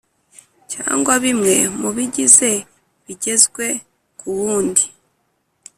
Cyangwa bimwe mu bibigize bigezwe ku wundi